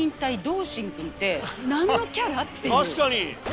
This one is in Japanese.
確かに！